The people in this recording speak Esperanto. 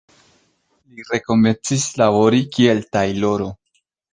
Li rekomencis labori kiel tajloro.